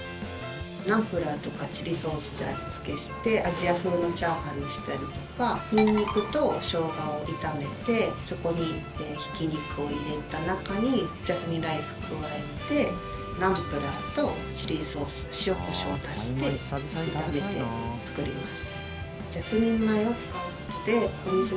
ナンプラーとかチリソースで味付けしてアジア風のチャーハンにしたりとかニンニクとショウガを炒めてそこに、ひき肉を入れた中にジャスミンライスを加えてナンプラーとチリソース塩コショウを足して炒めて、作ります。